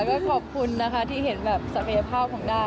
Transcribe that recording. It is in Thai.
ก็ขอบคุณนะคะที่เห็นศักยภาพของหน้าคะ